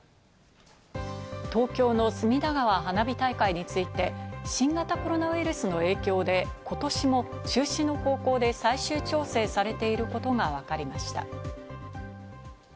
東京の隅田川花火大会について、新型コロナウイルスの影響で今年も中止の方向で最終調整されていることがわかりました。